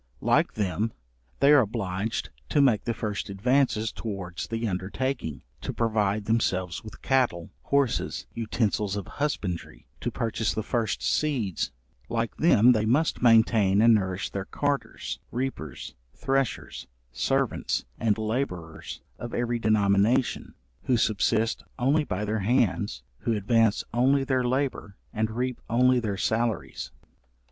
Like them, they are obliged to make the first advances towards the undertaking, to provide themselves with cattle, horses, utensils of husbandry, to purchase the first seeds; like them they must maintain and nourish their carters, reapers, threshers, servants, and labourers, of every denomination, who subsist only by their hands, who advance only their labour, and reap only their salaries.